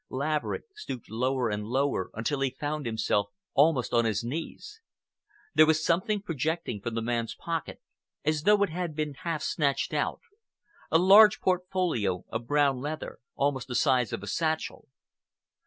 Laverick stooped lower and lower until he found himself almost on his knees. There was something projecting from the man's pocket as though it had been half snatched out—a large portfolio of brown leather, almost the size of a satchel.